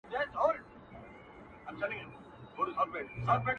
له ګودره یمه ستړی له پېزوانه یمه ستړی.!